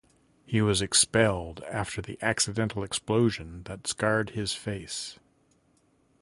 He was expelled after the accidental explosion that scarred his face.